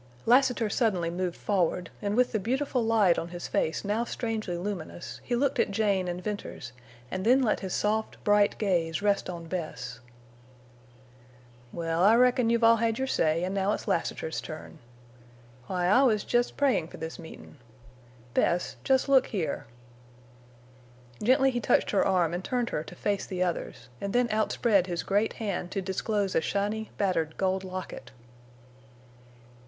Lassiter suddenly moved forward, and with the beautiful light on his face now strangely luminous, he looked at Jane and Venters and then let his soft, bright gaze rest on Bess. "Well, I reckon you've all had your say, an' now it's Lassiter's turn. Why, I was jest praying for this meetin'. Bess, jest look here." Gently he touched her arm and turned her to face the others, and then outspread his great hand to disclose a shiny, battered gold locket.